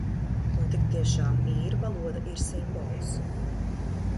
Un tik tiešām īru valoda ir simbols.